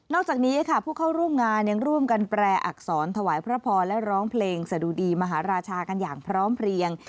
จากนี้ค่ะผู้เข้าร่วมงานยังร่วมกันแปรอักษรถวายพระพรและร้องเพลงสะดุดีมหาราชากันอย่างพร้อมเพลียง